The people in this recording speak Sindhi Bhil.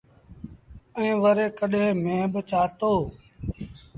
ائيٚݩ وري ڪڏهيݩ ميݩهݩ با چآرتو۔